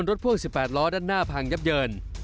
พ่วง๑๘ล้อด้านหน้าพังยับเยิน